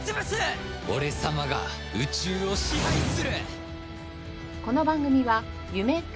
俺様が宇宙を支配する！